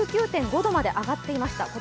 １９．５度まで上がっていました。